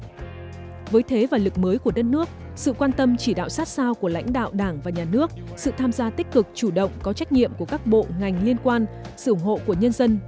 những cái vấn đề đối ngoại lực mới của đất nước sự quan tâm chỉ đạo sát sao của lãnh đạo đảng và nhà nước sự tham gia tích cực chủ động có trách nhiệm của các bộ ngành liên quan sự ủng hộ của nhân dân